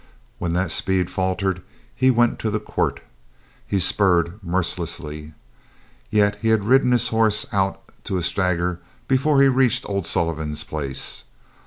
When that speed faltered he went to the quirt. He spurred mercilessly. Yet he had ridden his horse out to a stagger before he reached old Sullivan's place.